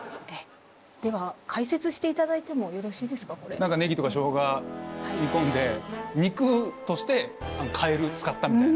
何かねぎとかしょうが煮込んで肉としてカエル使ったみたいな。